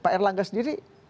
pak erlangga sendiri